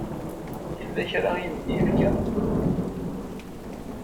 Yella kra i am-d-yefka?